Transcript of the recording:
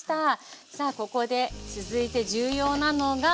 さあここで続いて重要なのがこちら。